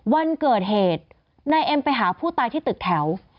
วันเกิดเหตุนายเอ็มไปหาผู้ตายที่ตึกแถว